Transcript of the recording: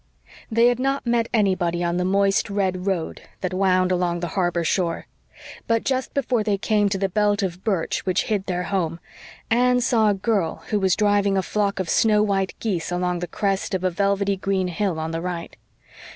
They had not met anybody on the moist, red road that wound along the harbor shore. But just before they came to the belt of birch which hid their home, Anne saw a girl who was driving a flock of snow white geese along the crest of a velvety green hill on the right.